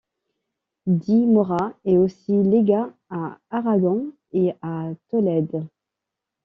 Di Morra est aussi légat à Aragón et à Tolède.